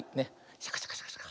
シャカシャカシャカシャカ。